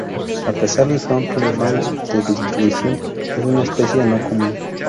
A pesar de su amplio rango de distribución, es una especie no común.